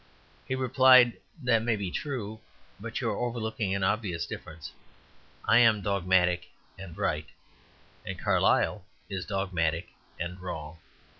He replied, "That may be true; but you overlook an obvious difference. I am dogmatic and right, and Carlyle is dogmatic and wrong."